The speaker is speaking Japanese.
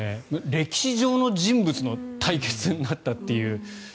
歴史上の人物の対決になったという。